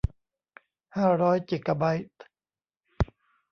ห้าร้อยจิกะไบต์